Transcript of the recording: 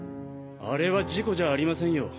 あれは事故じゃありませんよ。